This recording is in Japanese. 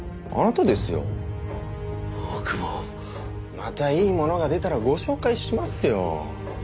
またいいものが出たらご紹介しますよ。